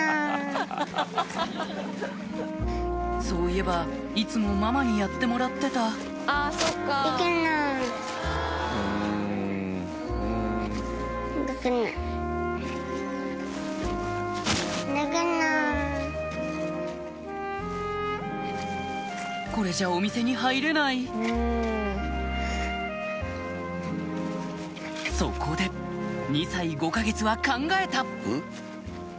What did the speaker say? そういえばいつもママにやってもらってたこれじゃお店に入れないそこで２歳５か月は考えた！